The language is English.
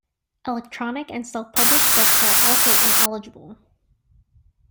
Electronic and self-published books are also ineligible.